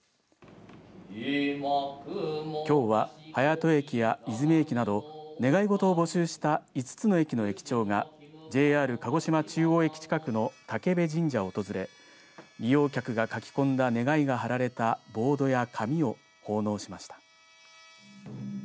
きょうは、隼人駅や出水駅など願いごとを募集した５つの駅の駅長がＪＲ鹿児島中央駅近くの建部神社を訪れ利用客が書き込んだ願いが貼られたボードや紙を奉納しました。